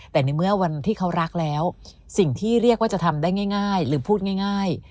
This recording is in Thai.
แต่ในเมื่อวันที่เขารักแล้วสิ่งที่เรียกว่าจะทำได้ง่ายหรือพูดง่าย